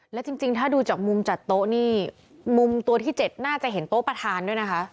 แล้วจริงถ้าดูจากมุมจัดโต๊ะนี่มุมตัวที่๗น่าจะเห็นโต๊ะประธานด้วยนะคะ